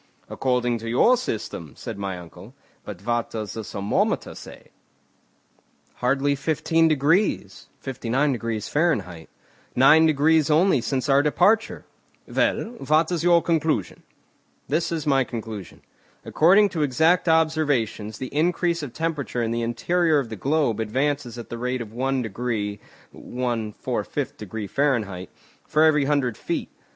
"According to your system," said my uncle. "But what does the thermometer say?" "Hardly fifteen degrees (59° Fahr), nine degrees only since our departure." "Well, what is your conclusion?" "This is my conclusion. According to exact observations, the increase of temperature in the interior of the globe advances at the rate of one degree (1 4/5° Fahr.) for every hundred feet.